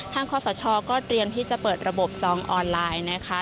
คอสชก็เตรียมที่จะเปิดระบบจองออนไลน์นะคะ